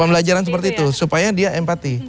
pembelajaran seperti itu supaya dia empati